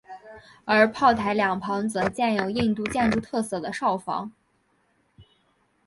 而炮台两旁则建有印度建筑特色的哨房。